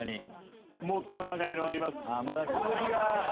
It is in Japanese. もっと長いのあります。